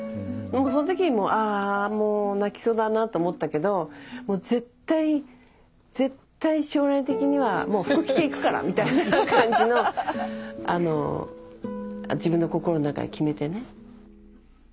その時にもうああもう泣きそうだなと思ったけどもう絶対絶対将来的にはもう服着ていくからみたいな感じの自分の心の中に決めてね。